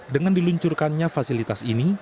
dengan diluncurkannya fasilitas ini